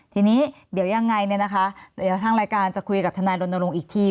ทีนี้เดี๋ยวยังไงเนี่ยนะคะเดี๋ยวทางรายการจะคุยกับทนายรณรงค์อีกที